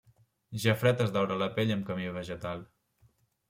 Ja fred es daura la pell amb carmí vegetal.